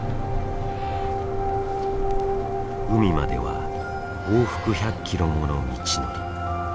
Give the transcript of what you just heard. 海までは往復１００キロもの道のり。